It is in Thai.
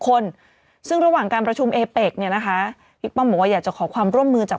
คนซึ่งระหว่างการประชุมเอเป็กเนี่ยนะคะบิ๊กป้อมบอกว่าอยากจะขอความร่วมมือจาก